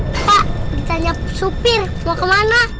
pak ditanya supir mau kemana